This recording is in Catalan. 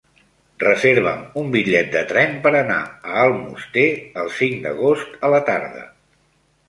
Reserva'm un bitllet de tren per anar a Almoster el cinc d'agost a la tarda.